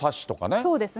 そうですね。